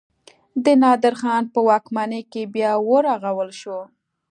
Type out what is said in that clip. د نادر خان په واکمنۍ کې بیا ورغول شو.